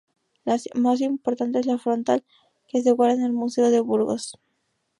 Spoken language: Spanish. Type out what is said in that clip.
La más importante es la frontal, que se guarda en el Museo de Burgos.